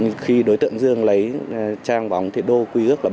ví dụ như khi đối tượng dương lấy trang bóng thì đô quy ước là bảy